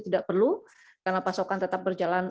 tidak perlu karena pasokan tetap berjalan